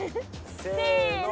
せの。